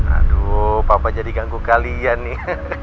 aduh papa jadi ganggu kalian nih